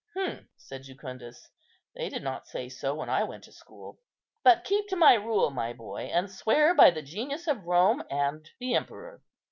"Hm!" said Jucundus; "they did not say so when I went to school; but keep to my rule, my boy, and swear by the genius of Rome and the emperor."